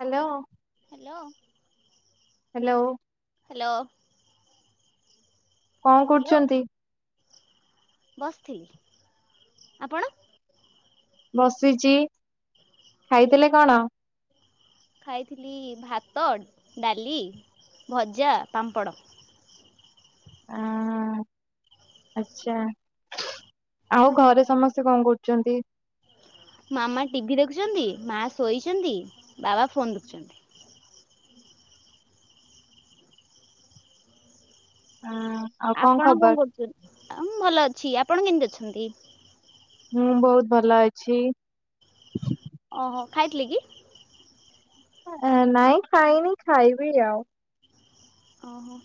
Hello hello hello. Hello. କଣ hello କରୁଚନ୍ତି? ବସିଥିଲି ଆପଣ? ବସିଛି ଖାଇଥିଲେ କଣ? ଖାଇଥିଲି ଭାତ, ଡ଼ାଲି, ଭଜା, ପାମ୍ପଡ଼। ଆଁ ଆଚ୍ଛା ଆଉ ଘରେ ସମସ୍ତେ କଣ କରୁଛନ୍ତି? ମାମା ଟିଭି ଦେଖୁଛନ୍ତି ମା ଶୋଇଛନ୍ତି ବାବା ଫୋନ୍ ଦେଖୁଛନ୍ତି। ହୁଁ। ଆପଣ କଣ କରୁଛନ୍ତି ମୁଁ ଭଲ ଅଛି ଆପଣ କେମିତି ଅଛନ୍ତି? ମୁଁ ବହୁତ୍ ଭଲ ଅଛି। ଓ ହୋ ଖାଇଥିଲେ କି। ନାଇଁ ଖାଇନି ଖାଇବି ଆଉ। ଓ ହୋ।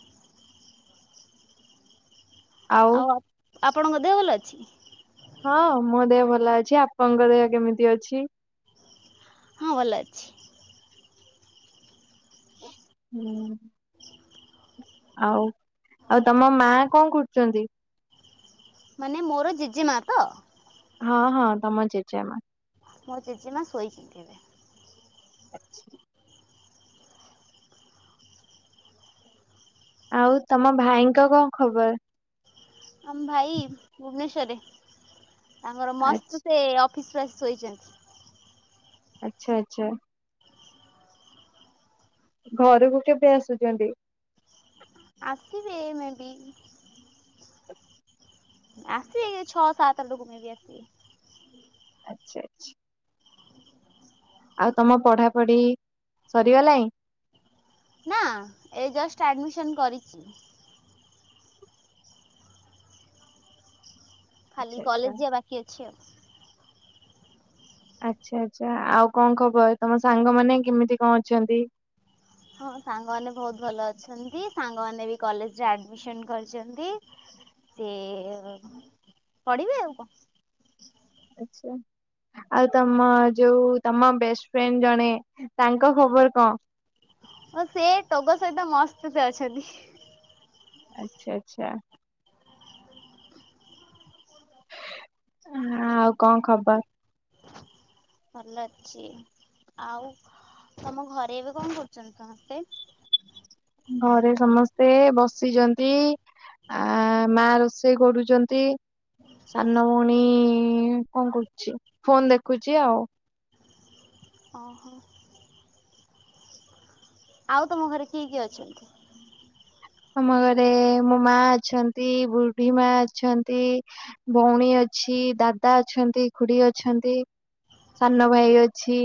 ଆଉ ଆ ଆପଣଙ୍କ ଦେହ ଭଲ ଅଛି? ହଁ ମୋ ଦେହ ଭଲ ଅଛି ଆପଣଙ୍କ ଦେହ କେମିତି ଅଛି? ହଁ ଭଲ ଅଛି। ହୁଁ। [inaudible] ଆଉ ଆଉ ତମ ମା କଣ କରୁଛନ୍ତି? ମାନେ ମୋର ଜେଜେ ମା ତ? ହଁ ହଁ ତମ ଜେଜେ ମା। ମୋ ଜେଜେ ମା ଶୋଇଚନ୍ତି ଏବେ। ଆଚ୍ଛା। ଆଉ ତମ ଭାଇଙ୍କ କଣ ଖବର? ଆମ ଭାଇ ଭୁବନେଶ୍ଵରରେ ତାଙ୍କର ଆଚ୍ଛା ମସ୍ତ୍ ସେ ଅଫିସ୍ ରୁ ଆସି ଶୋଇଛନ୍ତି। ଆଚ୍ଛା ଆଚ୍ଛା। ଘରକୁ କେବେ ଆସୁଛନ୍ତି? ଆସିବେ ମେ ବି ଆସିବେ ଛଅ ସାତ ଲୋକ [unintelligible] ଆଚ୍ଛା ଆଚ୍ଛା। ଆଉ ତମ ପଢ଼ାପଢ଼ି ସରିଗଲାଣି? ନାଁ ଏଇ ଜଷ୍ଟ୍ ଆଡ଼ମିସନ୍ କରିଛି। ଖାଲି ଆଚ୍ଛା ଆଚ୍ଛା। କଲେଜ ଯିବା ବାକି ଅଛି ଆଉ। ଆଚ୍ଛା ଆଛା ଆଉ କଅଁ ଖବର ତମ ସାଙ୍ଗମାନେନ କେମିତି କଅଁ ଅଛନ୍ତି? ହଁ ସାଙ୍ଗମାନେ ବହୁତ ଭଲ ଅଛନ୍ତି ସାଙ୍ଗମାନେ ବି କଲେଜରେ ଆଡମିସନ କରିଚନ୍ତି। ସେ ପଢିବେ ଆଉ କଣ? ଆଚ୍ଛା। ଆଉ ତମ ଯୋଉ ତମ ବେଷ୍ଟ ଫ୍ରେଣ୍ଡ ଜଣେ ତାଙ୍କ ଖବର କଅଁ? ଓ ସେ ଟୋଗ ସହିତ ମସ୍ତ ସେ ଅଛନ୍ତି। ଆଚ୍ଛା ଆଚ୍ଛା। ଆଉ କଅଁ ଖବର? ଭଲ ଅଛି ଆଉ ତମ ଘରେ ଏବେ କଅଁ କରୁଚନ୍ତି ସମସ୍ତେ? ଘରେ ସମସ୍ତେ ବସିଛନ୍ତି ଆ ମା ରଷେଇ ସେଇ କରୁଚନ୍ତି ସାନ ଭଉଣୀ କଅଁ କରୁଛ ଫୋନ ଦେଖୁଚି ଆଉ। ଅହ। ଆଉ ତମ ଘରେ କିଏ କିଏ ଅଛିନ୍ତି? ଆମ ଘରେ ମୋ ମା ଅଛନ୍ତି ବୁଢୀ ମା ଅଛନ୍ତି ଭଉଣୀ ଅଛି ଦାଦା ଅଛନ୍ତି ଖୁଡି ଅଛନ୍ତି। ସାନ ଭାଇ ଅଛି।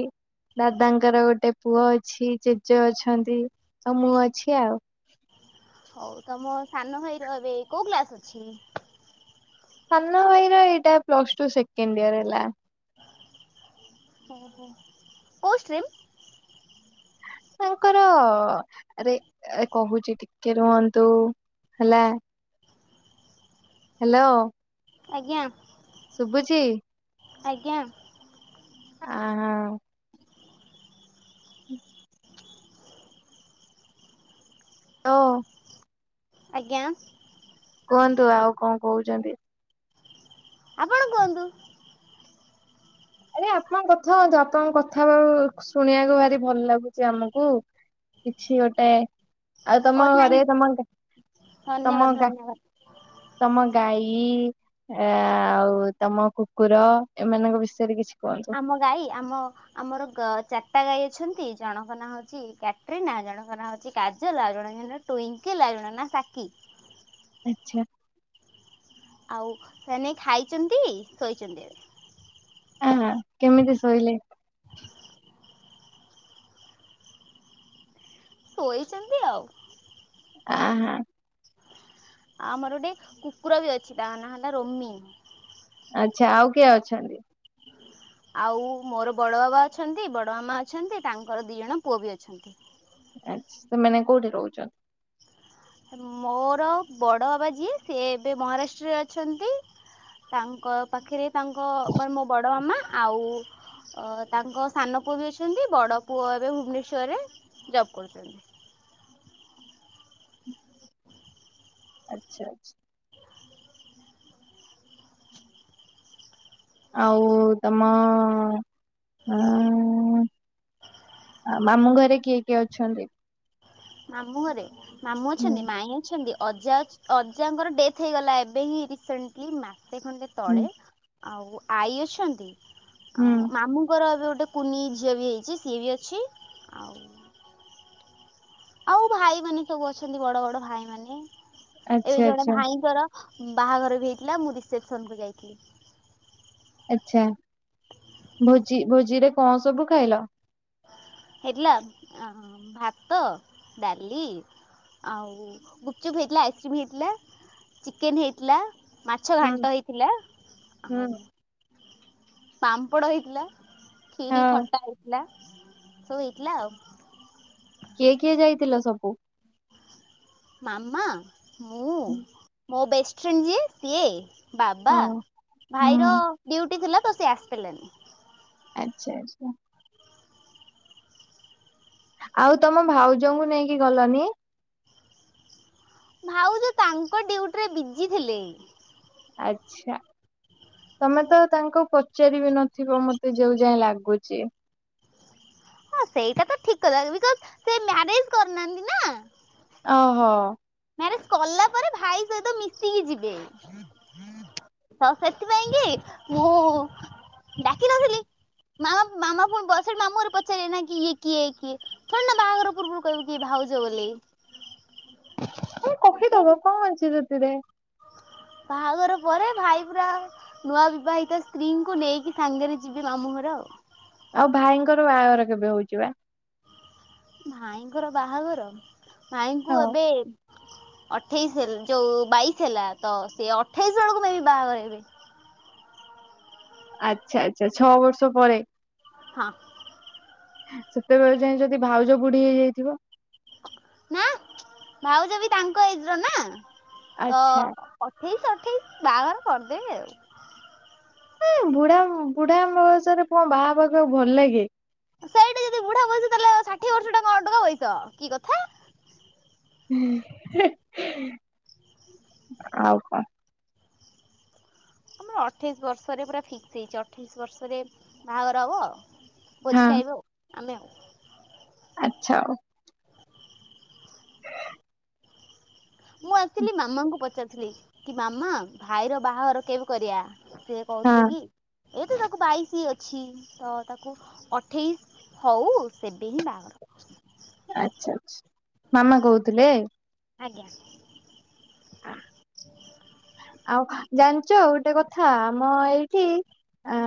ଦାଦାଙ୍କର ଗୋଟେ ପୁଅ ଅଛି, ଜେଜେ ଅଛନ୍ତି, ତ ମୁୁ ଅଛି ଆଉ। ହଉ ତମ ସାନ ଭାଇ ର ଏବେ କୋଉ କ୍ଲାସ ଅଛି? ସନା ଭାଇର ଏଇଟା ପ୍ଲସ୍ ଟୁ ସେକେଣ୍ଡ ୟର୍ ହେଲା। ହଁ ହୋଉ କୋଉ ଷ୍ଟ୍ରିମ୍? ତାଙ୍କର ରେ କହୁଛି ଟିକେ ରୁହନ୍ତୁ ହେଲା ହ୍ୟାଲୋ। ଆଜ୍ଞା। ଶୁଭୁଛିି? ଆଜ୍ଞା। ଆଁ ହଁ। ହ। [unintelligible] ଆଜ୍ଞା। କୁହନ୍ତୁ ଆଉ କଅଁ କହୁଚନ୍ତି? ଆପଣ କୁଅନ୍ତୁ? ଆରେ ଆପଣଙ୍କ କଥା କୁହନ୍ତୁ ଆପଣଙ୍କ କଥା ଶୁଣିବାକୁ ଭାରି ଭଲ ଲାଗୁଚି ଆମକୁ। କିଛି ଗୋଟେ ଆଉ ତମ ଓ ଥ୍ୟାଙ୍କ ଘରେ ତମା ଧନ୍ୟବାଦ ତମ ଗା ଧନ୍ୟବାଦ ତମ ଗାଈ ଆ ଆଉ ତମ କୁକୁର ଏମାନଙ୍କ ବିଷ ଟେରି ବିଚ୍ ଆମ ଗାଈ ଆମ ଆମର ଗ୍ ଚାରିଟା ଗାଈ ଅଛନ୍ତି। ଜଣଙ୍କ ନାଁ ହୋଉଛି କ୍ୟାଟ୍ରିନା ଜଣଙ୍କ ନା ହୋଇଛି କାଜଲ୍ ଆଉ ଜଣେଙ୍କ ନା ଟୁଇଁଙ୍କିଲ୍ ଆଉ ଜଣଙ୍କ ନା ସାକୀ। ଆଚ୍ଛା। ଆଉ ସେ ଏଇନେ ଖାଇବନ୍ତି ଶୋଇଚନ୍ତି ଏବେ। ହଁ ହଁ କେମିତି ଶୋଇଲେ? ଶୋଇଚନ୍ତି ଆଉ। ଆଁ ହାଁ। ଆମର ଗୋଟେ କୁକୁର ବି ଅଛି ତା ନା ହେଲା ରୋମି। ଆଚ୍ଛା ଆଉ କିଏ ଅଛନ୍ତି? ଆଉ ମୋର ବଡ଼ ବାବା ଅଛନ୍ତି ବଡ଼ ମାମା ଅଛନ୍ତି ତାଙ୍କର ଦି ଜଣ ପୁଅ ବି ଅଛନ୍ତି। ଆଚ୍ଛା। ସେମାନେ କୋଉଠି ରହୁଚନ୍ତି? ମୋର ବଡ଼ ବାବା ଯିଏ ସିଏ ଏବେ ମହା ରାଷ୍ଟ୍ରରେ ଅଛନ୍ତି। ତାଙ୍କ ପାଖେରେ ତାଙ୍କ ମାନେ ମୋ ବଡ଼ ମାମା ଆଉ ଅ ତାଙ୍କ ସାନ ପୁଅ ବି ଅଛନ୍ତି, ବଡ଼ ପୁଅ ଏବେ ଭୁବନେଶ୍ୱରରେ ଜବ୍ କରୁଚନ୍ତି। ଆଚ୍ଛା ଆଚ୍ଛା। ଆଉ ତମ ହଁ ଆଉ ମାମୁଁ ଘରେ କିଏ କିଏ ଅଛନ୍ତି? ମାମୁଁ ଘରେ ମାମୁଁ ହୁଁ ଅଛନ୍ତି, ମାଇଁ ଅଛନ୍ତି। ଅଜା ଅଚ୍ ଅଜାଙ୍କର ଡେଥ୍ ହେଇଗଲା ଏବେ ହିଁ ରିସେଣ୍ଟଲି ମାସେ ଖଣ୍ଡେ ହୁଁ ତଳେ। ଆଉ ଆଈ ଅଛନ୍ତି ହୁଁ ଆଉ ମାମୁଁଙ୍କର ଏବେ ଗୋଟେ କୁନି ଝିଅ ବି ହେଇଛି ସିଏ ବି ଅଛି ଆଉ ଆଉ ଭାଇ ମାନେ ସବୁ ଅଛନ୍ତି ବଡ଼ ବଡ଼ ଭାଇ ମାନେ ଏବେ ଆଚ୍ଛା ଜଣେ ଆଚ୍ଛା ଭାଇଙ୍କର ବାହାଘର ବି ହେଇଥିଲା ମୁଁ ରିସେପ୍ସନ୍ କୁ ଯାଇଥିଲି। ଆଚ୍ଛା ଭୋଜି ଭୋଜିରେ କଣ ସବୁ ଖାଇଲ? ହେଇଥିଲା ଆଁ ଭାତ, ଡାଲି ଆଉ ଗୁପଚୁପ୍ ହେଇଥିଲା, ଆଇସ୍କ୍ରିମ୍ ହେଇଥିଲା, ଚିକେନ୍ ହେଇଥିଲା। ମାଛ ହୁଁ ଘାଣ୍ଟ ହେଇଥିଲା, ହୁଁ ଆଉ ପାମ୍ପଡ଼ ହେଇଥିଲା। କ୍ଷୀରି, ହଁ ଖଟା ହେଇଥିଲା ସବୁ ହେଇଥିଲା ଆଉ। କିଏ କିଏ ଯାଇଥିଲ ସବୁ? ମାମା, ମୁଁ, ମୋ ବେଷ୍ଟ୍ ଫ୍ରେଣ୍ଡ୍ ଯିଏ ସିଏ। ବାବା, ହଁ ଭାଇର ହୁଁ ଡିୟୁଟି ଥିଲା ତ ସେ ଆସିି ପାରିଲାନି। ଆଚ୍ଛା ଆଚ୍ଛା। ଆଉ ତମ ଭାଉଜଙ୍କୁ ନେଇକି ଗଲନି? ଭାଉଜ ତାଙ୍କ ଡ୍ୟୁଟିରେ ବିଜି ଥିଲେ। ଆଚ୍ଛା। ତମେ ତ ତାଙ୍କୁ ପଚାରି ବି ନଥିବ ମତେ ଯୋଉ ଯାଏଁ ଲାଗୁଚି। ହଁ ସେଇଟା ତ ଠିକ୍ କଥା ବିକଜ୍ ସେ ମ୍ୟାରେଜ୍ କରି ନାହାନ୍ତି ନା? ଓ ହୋ। ମ୍ୟାରେଜ୍ କଲା ପରେ ଭାଇ ସହିତ ମିଶିକି ଯିବେ। ହଁ ସେଥିପାଇଁ କି ମୁଁ ଡାକ ନଥିଲି। ମାମା ମାମା ପୁଣି ପଛରେ ମାମୁଁ ହରକୁ ପଚାରିବେ ନା କି ଏ କିଏ କିଏ ଥୋଇ ନା ବାହାଘର ପୂର୍ବରୁ କହିବୁ କି ଇଏ ଭାଉଜ ବୋଲି? କହି ଦବ ସେଥିପାଇଁ କଣ ଅଛି ସେଥିରେ? ବାହାଘର ପରେ ଭାଇ ପୁରା ନୂଆ ବିବାହିତ ସ୍ତ୍ରୀଙ୍କୁ ନେଇକି ସାଙ୍ଗେରେ ଯିବେ ମାମୁଁ ଘର ଆଉ। ଆଉ ଭାଇଙ୍କର ବାହାଘର କେବେ ହୋଉଛି ପା? ଭାଇଙ୍କର ବାହାଘର? ହଁ। ଭାଇଙ୍କୁ ଏବେ ଆଠେଇସି ହେଲ୍ ଯୋଉ ବାଇଶି ହେଲା ତ ସେ ଆଠେଇଶି ବେଳକୁ ମ ଏଇ ବାହାଘର ହେବେ। ଆଚ୍ଛା ଆଚ୍ଛା ଛଅ ବର୍ଷ ପରେ। ହଁ। ସେତେବେଳେ ଯାଏ ଯଦି ଭାଉଜ ବୁଢୀ ହେଇଯାଇଥିବ? ନାଁ, ଭାଉଜ ବି ତାଙ୍କ ଏଜ ର ନା ତ ଆଚ୍ଛା ଅଠେଇଶ ଅଠେଇଶ ବାହାଘର କରିଦେବେ ଆଉ। ଉଁ ବୁଢା ବୁଢା ଵୟସରେ କଣ ବାହା ହେବା କୁ ଭଲ ଲାଗେ? ସେଇଠି ଯଦି ବୁଢା ବୟସ ତାହେଲେ, ଷାଠିଏ ବର୍ଷ ଟା କଣ ଅଠର ବର୍ଷ କି କଥା? [unintelligible] ଆଉ କଣ? ଆମର ଅଠେଇଶ ବର୍ଷରେ ପୁରା ଫିକ୍ସ ହେଇଛି, ଅଠେଇଶ ବର୍ଷରେ ବାହାଘର ହେବ। ହଁ ଭୋଜି ଖାଇବୁ ଆଉ ଆମେ। ଆଚ୍ଛା। ମୁଁ ଆକ୍ଚୁଆଲି ମାମାଙ୍କୁ ପଚାରୁଥିଲି କି ମାମା ଭାଇର ବାହାଘର କେବେ କରିବା? ସେ କହୁଥିଲେ ହଁ କି? ଏ ତ ତାକୁ ବାଇଶି ଅଛି, ତ ତାକୁ ଅଠେଇଶି ହଉ ସେବେ ହିଁ ବାହାଘର। ଆଛା ଆଛା ମାମା କହୁଥିଲେ? ଆଜ୍ଞା। ଆ ଆଉ ଜାଣିଛ ଗୋଟେ କଥା ମ ଏଇଠି ଆ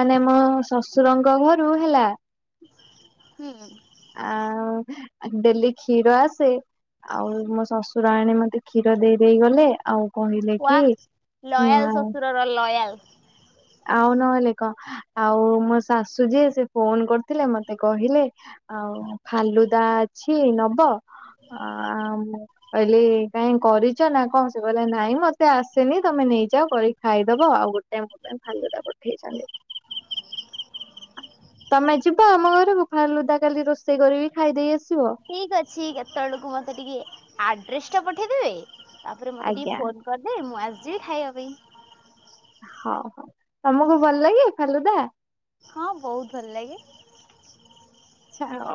ମାନେ ମୋ ଶଶୁରଙ୍କ ଘରୁ ହେଲା। ହୁଁ ଆଉ ଡେଲି କ୍ଷୀର ଆସେ ଆଉ ମୋ ଶଶୁର ଆଣୀ ମତେ କ୍ଷୀର ଦେଇଦେଇ ଗଲେ ଆଉ କହିଲେ କି ମ ତୋର ଲୟାଲ। ଆଉ ନହେଲେ କଣ, ଆଉ ମୋ ଶାଶୁ ଯିଏ ସେ ଫୋନ୍ କରିଥିଲେ ମତେ କହିଲେ। ଆଉ ଫାଲୁଦା ଅଛି ନବ ଆ ଆ ମୁ କହିଲି କାଇଁ କରିଛ ନା କଣ, ସେ କହିଲ ନାଇଁ ମତେ ଆସେନି ତମେ ନେଇଯାଅ କରି ଖାଇଦେବା ଆଉ ଗୋଟେ ମୁଦା ଫାଲୁଦା ପଠେଇଛନ୍ତି। ତମେ ଯିବ ଆମ ଘରକୁ ଫାଲୁଦା କାଲି ରୋଷେଇ କରିକି ଖାଇଦେଇ ଆସିବ। ଠିକ୍ ଅଛି, କେତେବେଳକୁ ମୋତେ ଟିକେ ଆଡ୍ରେସ୍ ଟା ପଠେଇଦେବେ, ତାପରେ ମୋତେ ଟିକେ ଆଜ୍ଞା ଫୋନ୍ କରିଦେବେ ମୁଁ ଆସିଥିବି ଖାଇବା ପାଇଁ। ହଁ, ହଁ, ତମକୁ ଭଲ ଲାଗେ ଫାଲୁଦା ହଁ, ବହୁତ୍ ଭଲ ଲାଗେ। ଛାଡ,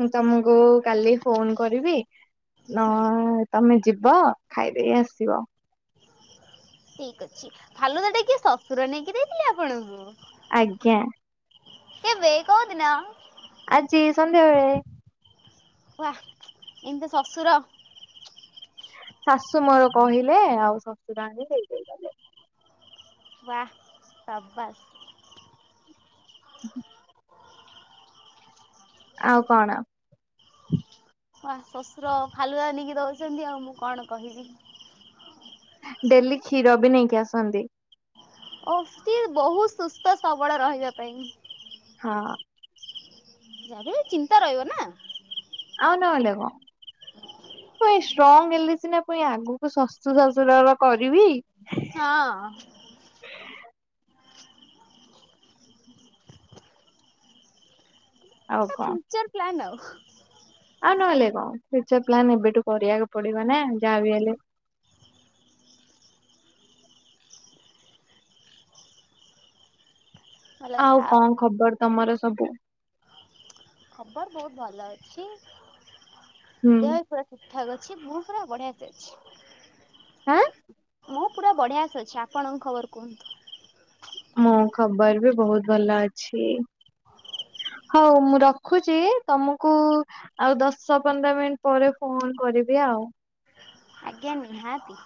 ମୁଁ ତମକୁ କାଲି ଫୋନ କରିବି। ହୁଁ ନ ତମେ ଯିବ ଖାଇଦେଇ ଆସିବ। ଠିକ୍ ଅଛି, ଫାଲୁଦା ଟା କିଏ ଶଶୁର ନେଇକି ଦେଇଥିଲେ ଆପଣଙ୍କୁ। ଆଜ୍ଞା କେଵେ କୋଉ ଦିନ? ଆଜି ସନ୍ଧ୍ୟାବେଳେ। ୱାହ୍ ଏମିତି ଶ୍ୱଶୁର। ଶାଶୁ ମୋର କହିଲେ ଆଉ ଶଶୁର ଆଣି ଦେଇ ୱାହ ସାବାସ। ଆଉ କଣ ହ ଶଶୁର ଫାଲୁଆ ନେଇକି ଦଉଛନ୍ତି ଆଉ ମୁଁ କଣ କହିବି। ଡେଲି କ୍ଷୀର ବି ନେଇକି ଆସନ୍ତି। ଅତି ବହୁତ ସୁସ୍ଥ ସବଳ ରହିବା ପାଇଁ। ହଁ ଯାହବି ଚିନ୍ତା ରହିବ ନା। ଆଉ ନହଲେ କଣ। ଏଇ ଷ୍ଟ୍ରଙ୍ଗ ହେଲେ ସିନା ପୁଣି ଆଗକୁ ଶଶୁ ଶଶୁରର କରିବି‌। ହଁ। ଆଉ କଣ ଫ୍ୟୁଚର ପ୍ଲାନ୍ ଆଉ? ଆଉ ନହେଲେ କଣ ଫ୍ୟୁଚର ପ୍ଲାନ୍ ଏବେଠୁ କରିବାକୁ ପଡିବ ନା ଯାହା ବିି ହେଲେ ଭଲ ଆଉ କଥା କଣ ଖବର ତମର ସବୁ? ଖବର ବହୁତ ଭଲ ଅଛି ହୁଁ ଦେହ ଫ ଠିକ ଠାକ ଅଛି, ମୁଁ ପୁରା ବଢିଆ ସେ ଅଛି। ଆଁ ମୁଁ ପୁରା ବଢିଆସେ ଅଛି, ଆପଣଙ୍କ ଖବର କୁହନ୍ତୁ? ମୋ ଖବର ବି ବହୁତ ଭଲ ଅଛି। ହଉ ମୁଁ ରଖୁଛି ତମକୁ ଆଉ ଦଶ ପନ୍ଦର ମିନିଟ ପରେ ଫୋନ୍ କରିବି ଆଉ। ଆଜ୍ଞା ନିହାତି।